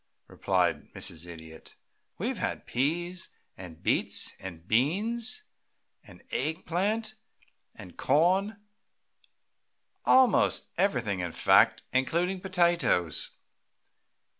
replied Mrs. Idiot. "We've had peas and beets and beans and egg plant and corn almost everything, in fact, including potatoes."